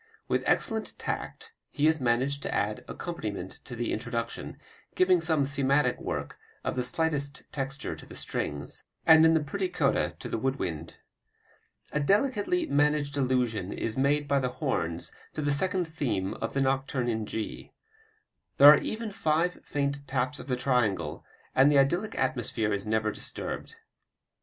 With excellent tact he has managed the added accompaniment to the introduction, giving some thematic work of the slightest texture to the strings, and in the pretty coda to the wood wind. A delicately managed allusion is made by the horns to the second theme of the nocturne in G. There are even five faint taps of the triangle, and the idyllic atmosphere is never disturbed.